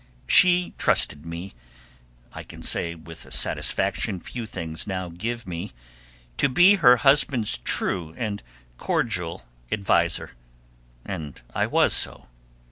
She trusted me, I can say with a satisfaction few things now give me, to be her husband's true and cordial adviser, and I was so.